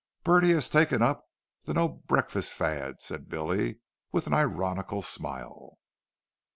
"Bertie has taken up the 'no breakfast fad,'" said Billy with an ironical smile.